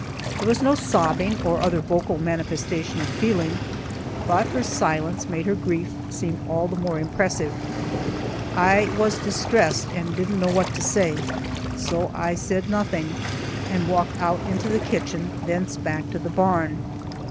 There was no sobbing, or other vocal manifestation of feeling, but her silence made her grief seem all the more impressive. I was distressed, and didn't know what to say, so I said nothing, and walked out into the kitchen, thence back to the barn.